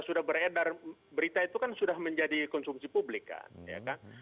sudah beredar berita itu kan sudah menjadi konsumsi publik kan ya kan